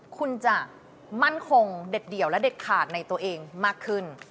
คุณจะมั่นคงเด็ดเดี่ยวและเด็ดขาดในตัวเองมากขึ้น